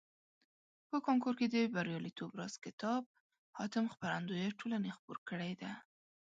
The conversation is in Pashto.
په کانکور کې د بریالیتوب راز کتاب حاتم خپرندویه ټولني خپور کړیده.